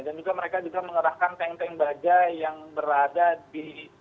dan juga mereka juga mengerahkan tank tank baja yang berada di